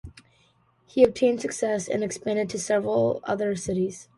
He obtained success and expanded to several other cities.